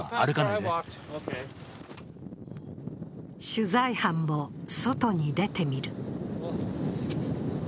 取材班も外に出てみる。